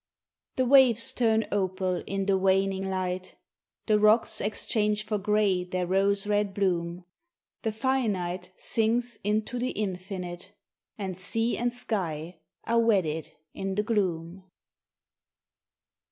The waves turn opal in the waning light, The rocks exchange for grey their rose red bloom, The finite sinks into the infinite, And sea and sky are wedded in the gloom.